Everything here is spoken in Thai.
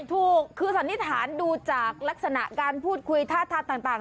ถูกคือสันนิษฐานดูจากลักษณะการพูดคุยท่าทางต่าง